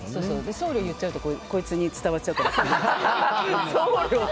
送料言っちゃうとこいつに伝わっちゃうから。